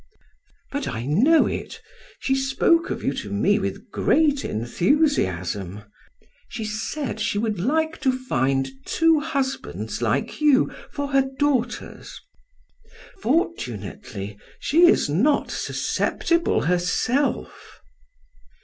"But I know it. She spoke of you to me with great enthusiasm. She said she would like to find two husbands like you for her daughters. Fortunately she is not susceptible herself."